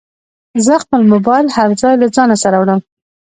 زه خپل موبایل هر ځای له ځانه سره وړم.